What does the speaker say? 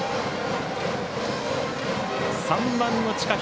３番の近平